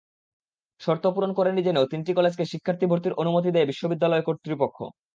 শর্ত পূরণ করেনি জেনেও তিনটি কলেজকে শিক্ষার্থী ভর্তির অনুমতি দেয় বিশ্ববিদ্যালয় কর্তৃপক্ষ।